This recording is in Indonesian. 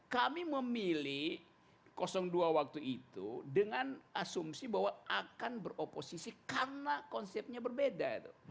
kami memilih dua waktu itu dengan asumsi bahwa akan beroposisi karena konsepnya berbeda